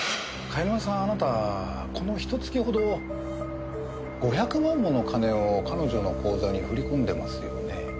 貝沼さんあなたこのひと月ほど５００万もの金を彼女の口座に振り込んでますよね？